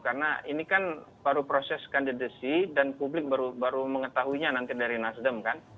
karena ini kan baru proses kandidasi dan publik baru mengetahuinya nanti dari nasdem kan